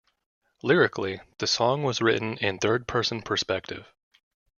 Lyrically, the song was written in third person perspective.